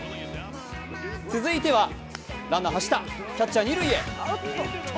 続いてはランナー走ったランナー二塁へ。